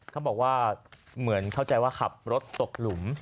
เขาบอกว่าเหมือนเข้าใจว่าขับรถตกหลุม